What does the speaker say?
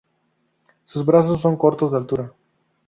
Sus brazos son cortos de altura.